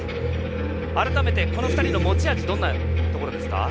改めて、この２人の持ち味どんなところですか？